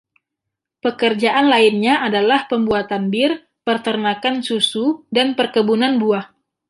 Pekerjaan lainnya adalah pembuatan bir, peternakan susu dan perkebunan buah.